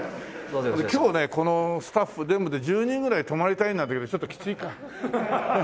今日ねこのスタッフ全部で１０人ぐらい泊まりたいんだけどちょっときついか。